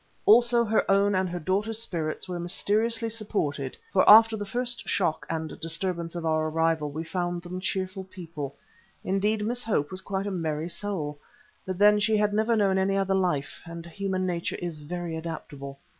Also her own and her daughter's spirits were mysteriously supported, for after the first shock and disturbance of our arrival we found them cheerful people; indeed, Miss Hope was quite a merry soul. But then she had never known any other life, and human nature is very adaptable.